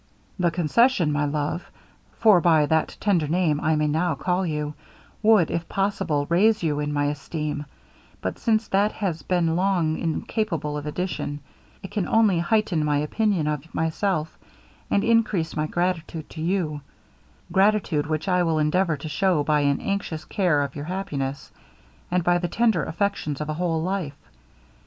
'The concession, my love, (for by that tender name I may now call you) would, if possible, raise you in my esteem; but since that has been long incapable of addition, it can only heighten my opinion of myself, and increase my gratitude to you: gratitude which I will endeavour to shew by an anxious care of your happiness, and by the tender attentions of a whole life.